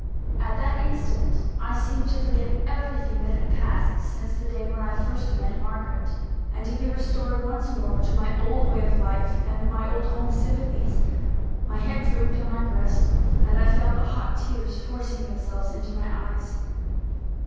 At that instant, I seemed to forget everything that had passed since the day when I first met Margaret, and to be restored once more to my old way of life and my old home sympathies. My head drooped on my breast, and I felt the hot tears forcing themselves into my eyes.